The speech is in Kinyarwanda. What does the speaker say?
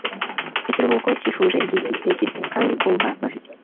ikiruhuko cyifuje igihe kirekire kandi kumva bafite